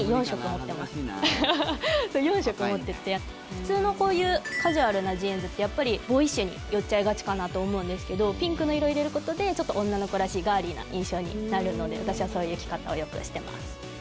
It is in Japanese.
普通の、こういうカジュアルなジーンズってやっぱりボーイッシュに寄っちゃいがちかなと思うんですけどピンクの色を入れることでちょっと女の子らしいガーリーな印象になるので私はそういう着方をよくしています。